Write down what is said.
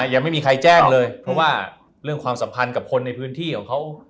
ยังไม่มีใครแจ้งเลยเพราะว่าเรื่องความสัมพันธ์กับคนในพื้นที่ของเขา